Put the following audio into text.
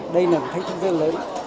đây là một cái thách thức rất lớn